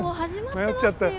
迷っちゃったよ。